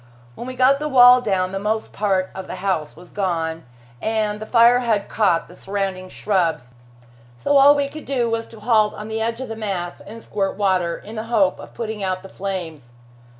When we got the wall down the most part of the house was gone, and the fire had caught the surrounding shrubs, so all we could do was to halt on the edge of the mass and squirt water, in the hope of putting out the flames.